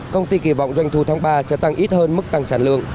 công ty kỳ vọng doanh thu tháng ba sẽ tăng ít hơn mức tăng sản lượng